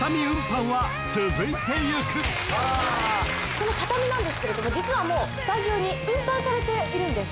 その畳なんですけれども実はもうスタジオに運搬されているんです。